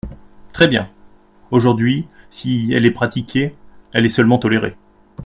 Très bien ! Aujourd’hui, si elle est pratiquée, elle est seulement tolérée.